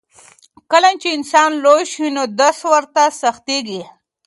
کله چې انسان لوی شي نو درس ورته سختېږي.